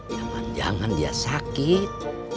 jangan jangan dia sakit